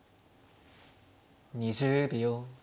２０秒。